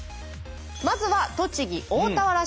まずは栃木大田原市。